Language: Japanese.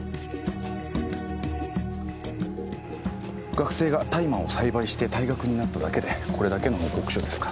学生が大麻を栽培して退学になっただけでこれだけの報告書ですか。